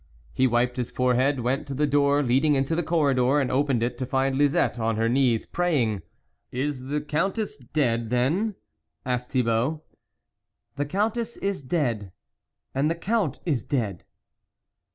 He wiped his forehead, went to the door leading into the corridor, and opened it, to find Lisette on her knees, praying. " Is the Countess dead then ?" asked Thibault. " The Countess is dead, and the Count is dead."